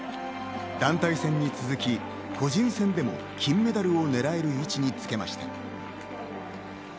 団体戦に続き個人戦でも金メダルを狙える位置につけました。